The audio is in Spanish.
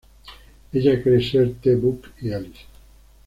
Ella cree ser T, Buck y Alice.